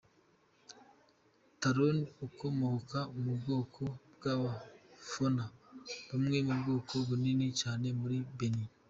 Talon akomoka mu bwoko bw’ba Fona, bumwe mu bwoko bunini cyane muri Benin.